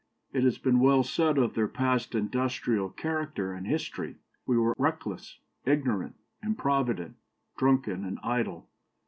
It has been well said of their past industrial character and history, 'We were reckless, ignorant, improvident, drunken, and idle.